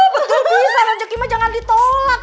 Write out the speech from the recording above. betul bisa rezeki tidak ditolak